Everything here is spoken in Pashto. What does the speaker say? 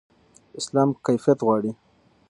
اسلام کیفیت غواړي.